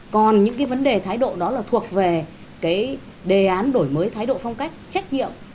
còn những cái vấn đề thái độ đó là thuộc về cái đề án đổi mới thái độ phong cách trách nhiệm